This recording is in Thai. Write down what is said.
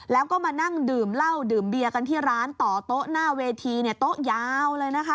แล้วก็มานั่งดื่มเหล้าดื่มเบียร์กันที่ร้านต่อโต๊ะหน้าเวทีเนี่ยโต๊ะยาวเลยนะคะ